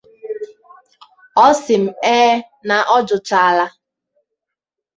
ọ sị m É na ọ jụchaala